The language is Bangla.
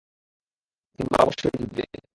সিম্বা অবশ্যই জিতবে।